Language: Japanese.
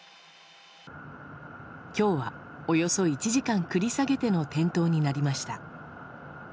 今日はおよそ１時間繰り下げての点灯になりました。